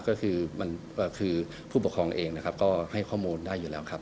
อ๋อครับก็คืออย่างที่บอกครับว่าก็คือผู้ประคองเองนะครับก็ให้ข้อมูลได้อยู่แล้วครับ